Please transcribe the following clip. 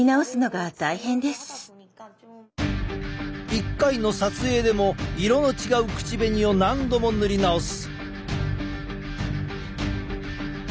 一回の撮影でも色の違う口紅を何度も塗り直す。